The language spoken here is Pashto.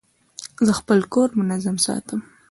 زه خپل کور منظم ساتم.